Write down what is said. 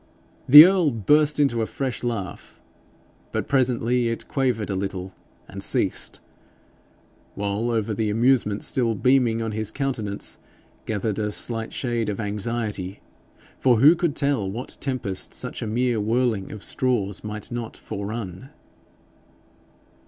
The earl burst into a fresh laugh. But presently it quavered a little and ceased, while over the amusement still beaming on his countenance gathered a slight shade of anxiety, for who could tell what tempest such a mere whirling of straws might not forerun?